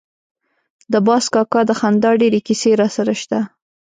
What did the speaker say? د باز کاکا د خندا ډېرې کیسې راسره شته.